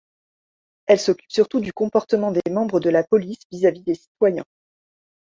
Elle s’occupe surtout du comportement des membres de la police vis-à-vis des citoyens.